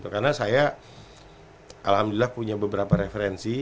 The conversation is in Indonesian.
karena saya alhamdulillah punya beberapa referensi